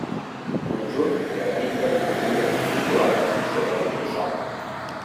Conjunt d'ermita i masia situades sobre un tossal.